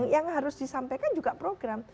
yang harus disampaikan juga program